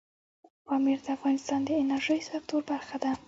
پامیر د افغانستان د انرژۍ سکتور برخه ده.